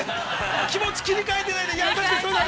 ◆気持ち、切り替えていただいて。